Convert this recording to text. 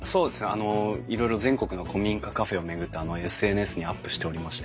あのいろいろ全国の古民家カフェを巡ってＳＮＳにアップしておりまして。